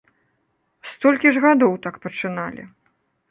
Столькі ж гадоў так пачыналі.